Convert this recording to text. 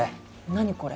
何これ？